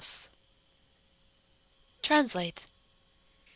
TRANSLATE 1.